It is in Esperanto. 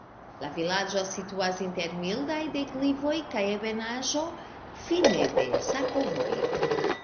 La vilaĝo situas inter mildaj deklivoj kaj ebenaĵo, fine de sakovojo.